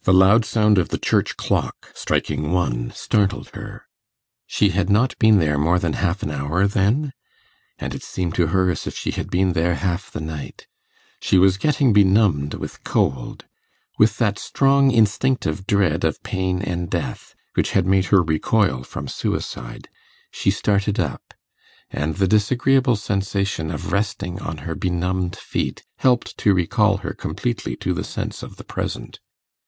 The loud sound of the church clock, striking one, startled her. She had not been there more than half an hour, then? And it seemed to her as if she had been there half the night. She was getting benumbed with cold. With that strong instinctive dread of pain and death which had made her recoil from suicide, she started up, and the disagreeable sensation of resting on her benumbed feet helped to recall her completely to the sense of the present.